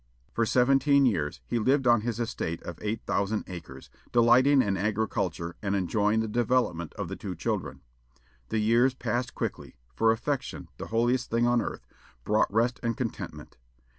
For seventeen years he lived on his estate of eight thousand acres, delighting in agriculture, and enjoying the development of the two children. The years passed quickly, for affection, the holiest thing on earth, brought rest and contentment.